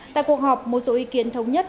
tại cuộc họp một số ý kiến thống nhất